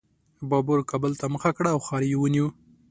بابر کابل ته مخه کړه او ښار یې ونیو.